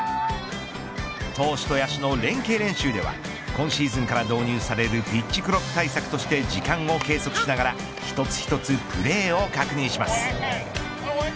投手と野手の連係練習では今シーズンから導入されるピッチクロック対策として時間を計測しながら一つ一つプレーを確認します。